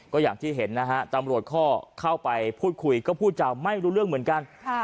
ก็อย่างที่เห็นนะฮะตำรวจก็เข้าไปพูดคุยก็พูดจะไม่รู้เรื่องเหมือนกัน